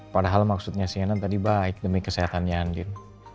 padahal maksudnya sienna tadi baik demi kesehatannya andien